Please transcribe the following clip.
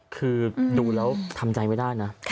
คือดูแล้วทำใจไม่ได้นะ